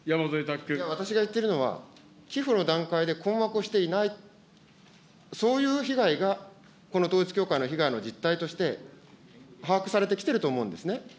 私が言ってるのは、寄付の段階で困惑をしていない、そういう被害がこの統一教会の被害の実態として、把握されてきてると思うんですね。